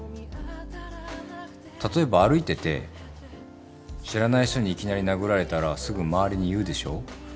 例えば歩いてて知らない人にいきなり殴られたらすぐ周りに言うでしょう？